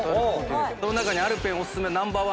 その中にＡｌｐｅｎオススメＮｏ．１